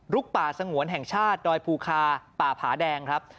ป่าสงวนแห่งชาติดอยภูคาป่าผาแดงครับ